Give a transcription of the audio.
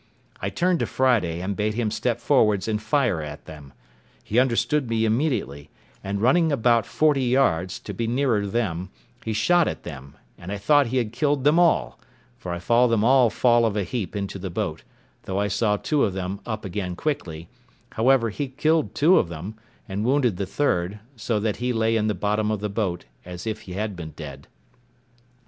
I turned to Friday, and bade him step forwards and fire at them; he understood me immediately, and running about forty yards, to be nearer them, he shot at them; and I thought he had killed them all, for I saw them all fall of a heap into the boat, though I saw two of them up again quickly; however, he killed two of them, and wounded the third, so that he lay down in the bottom of the boat as if he had been dead.